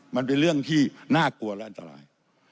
มันเป็นเรื่องที่น่ากลัวและอันตราย